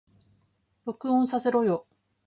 録音させろよ